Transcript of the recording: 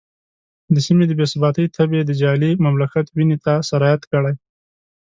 د سیمې د بې ثباتۍ تبې د جعلي مملکت وینې ته سرایت کړی.